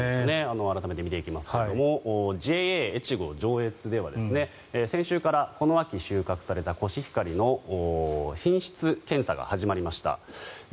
改めて見ていきますがＪＡえちご上越では先週からこの秋収穫されたコシヒカリの品質調査が始まりました。